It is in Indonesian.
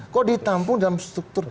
kok ditampung dalam struktur